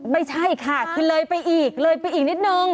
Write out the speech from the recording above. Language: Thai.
ไม่ใช่ค่ะคือเลยไปอีกเลยไปอีกนิดนึง